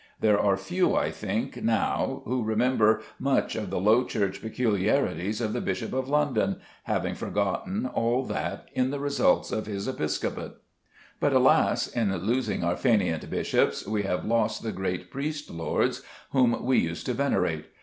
There are few, I think, now who remember much of the Low Church peculiarities of the Bishop of London, having forgotten all that in the results of his episcopate. But, alas, in losing our fainéant bishops we have lost the great priest lords whom we used to venerate.